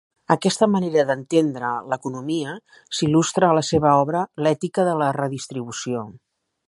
Aquesta manera d'entendre l'economia s'il·lustra a la seva obra "L'ètica de la redistribució".